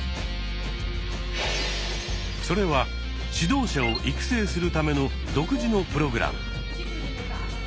それは指導者を育成するための独自のプログラム。